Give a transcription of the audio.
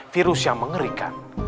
virus yang mengerikan